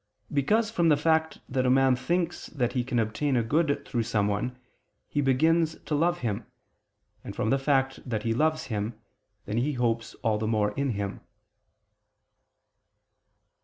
Because from the fact that a man thinks that he can obtain a good through someone, he begins to love him: and from the fact that he loves him, he then hopes all the more in him.